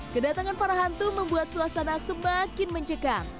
kedatangan para hantu membuat suasana semakin mencekam